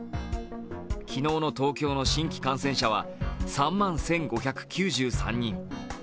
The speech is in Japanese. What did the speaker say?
昨日の東京の新規感染者は３万１５９３人。